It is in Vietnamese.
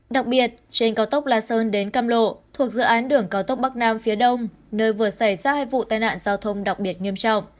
đặc biệt trên cao tốc la sơn đến cam lộ thuộc dự án đường cao tốc bắc nam phía đông nơi vừa xảy ra hai vụ tai nạn giao thông đặc biệt nghiêm trọng